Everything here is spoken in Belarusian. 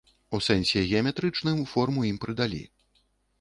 У сэнсе геаметрычным форму ім прыдалі.